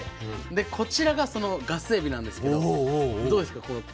でこちらがそのガスエビなんですけどどうですか？